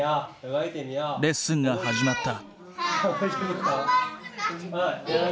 レッスンが始まった。